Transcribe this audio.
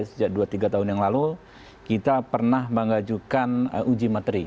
sejak dua tiga tahun yang lalu kita pernah mengajukan uji materi